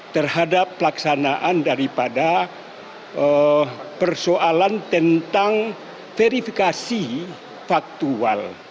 terhadap pelaksanaan daripada persoalan tentang verifikasi faktual